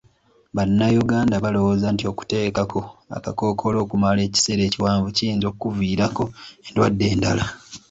Bannayuganda balowooza nti okuteekako akakkookolo okumala ekiseera ekiwanvu kiyinza okuviirako endwadde endala.